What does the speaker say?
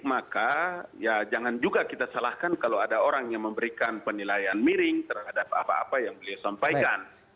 maka ya jangan juga kita salahkan kalau ada orang yang memberikan penilaian miring terhadap apa apa yang beliau sampaikan